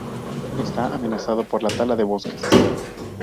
Está amenazado por la tala de los bosques.